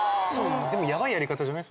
でもヤバいやり方じゃない？